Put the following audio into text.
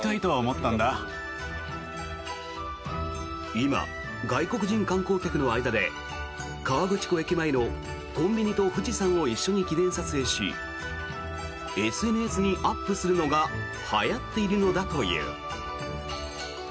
今、外国人観光客の間で河口湖駅前のコンビニと富士山を一緒に記念撮影しＳＮＳにアップするのがはやっているのだという。